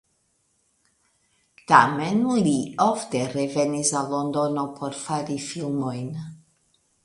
Tamen li ofte revenis al Londono por fari filmojn.